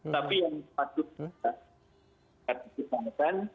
tapi yang sepatutnya